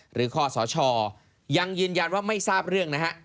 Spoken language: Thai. หรือข้อสอชอยังยืนยันว่าไม่ทราบเรื่องนะครับ